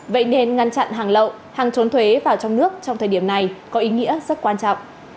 vậy nên ngăn chặn hàng lậu hàng trốn thuế vào trong nước trong thời điểm này có ý nghĩa rất quan trọng